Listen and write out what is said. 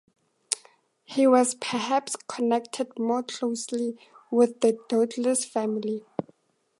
He was perhaps connected more closely with the Douglas family.